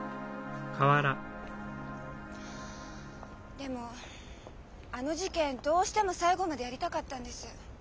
でもあの事件どうしても最後までやりたかったんです。